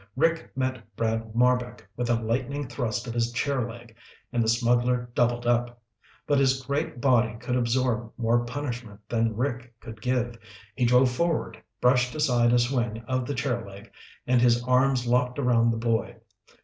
Rick met Brad Marbek with a lightning thrust of his chair leg, and the smuggler doubled up. But his great body could absorb more punishment than Rick could give. He drove forward, brushed aside a swing of the chair leg, and his arms locked around the boy.